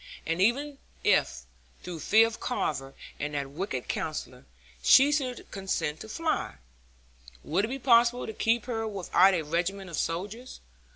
And even if, through fear of Carver and that wicked Counsellor, she should consent to fly, would it be possible to keep her without a regiment of soldiers?